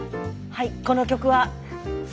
はいこの曲は。